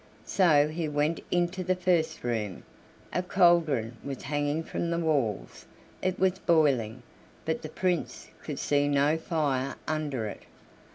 So he went into the first room. A cauldron was hanging from the walls; it was boiling, but the Prince could see no fire under it.